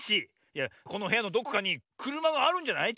いやこのへやのどこかにくるまがあるんじゃない？